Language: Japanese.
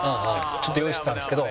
ちょっと用意してたんですけど。